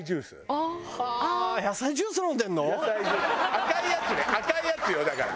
赤いやつね赤いやつよだから。